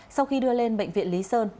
sau khi đưa lên bệnh viện lý sơn